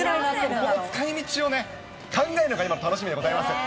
これで使いみちをね、考えるのが今、楽しみでございます。